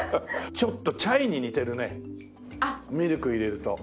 ちょっとチャイに似てるねミルク入れると。